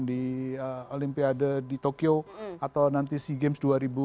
di olimpiade di tokyo atau nanti sea games dua ribu dua puluh